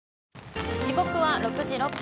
時刻は６時６分。